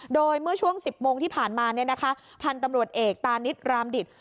โดยเมื่อช่วง๑๐โมงที่ผ่านมาพันธุ์ตำรวจเอกตานิดรามดิต